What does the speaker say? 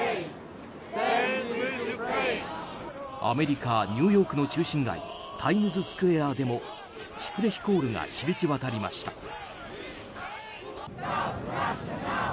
アメリカ・ニューヨークの中心街、タイムズスクエアでもシュプレヒコールが響き渡りました。